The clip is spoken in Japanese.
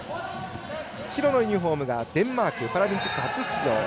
白のユニフォームがデンマークパラリンピック初出場。